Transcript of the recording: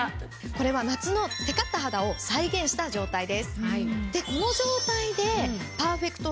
これは夏のテカった肌を再現した状態です。